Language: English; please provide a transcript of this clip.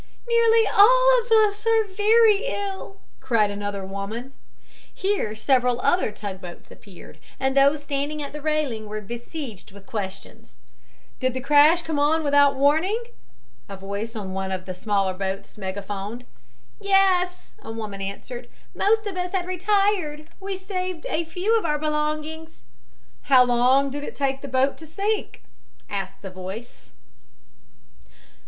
"Nearly all of us are very ill," cried another woman. Here several other tugboats appeared, and those standing at the railing were besieged with questions. "Did the crash come without warning?" a voice on one of the smaller boats megaphoned. "Yes," a woman answered. "Most of us had retired. We saved a few of our belongings." "How long did it take the boat to sink?" asked the voice.